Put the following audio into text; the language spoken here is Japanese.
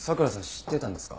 知ってたんですか？